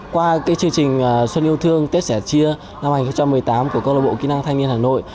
qua chương trình xuân yêu thương tết sẻ chia năm hai nghìn một mươi tám của câu lạc bộ kỹ năng thanh niên hà nội